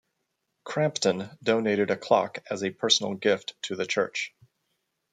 Crampton donated a clock as a personal gift to the church.